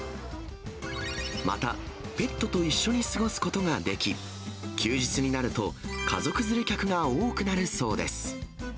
また、ペットと一緒に過ごすことができ、休日になると家族連れ客が多くなるそうです。